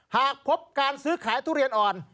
หากพบการซื้อขายทุเรียนอ่อน